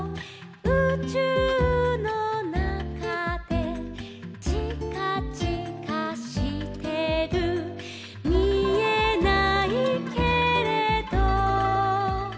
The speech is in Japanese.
「うちゅうのなかで」「ちかちかしてる」「みえないけれど」